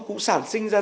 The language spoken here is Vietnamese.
cũng sản sinh ra